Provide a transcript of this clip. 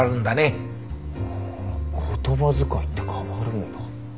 ああ言葉遣いって変わるんだ。